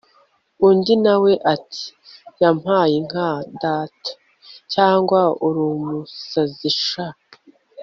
undi nawe ati yampayinka data! cyangwa urumusazi sha